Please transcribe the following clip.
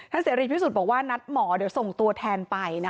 ท่านเสรีพิสุทธิ์บอกว่านัดหมอส่งตัวแทนไป